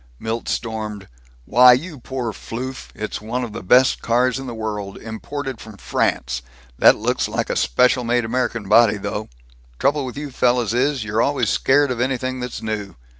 Milt stormed, "Why, you poor floof, it's one of the best cars in the world. Imported from France. That looks like a special made American body, though. Trouble with you fellows is, you're always scared of anything that's new.